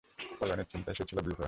পলায়নের চিন্তায় সে ছিল বিভোর।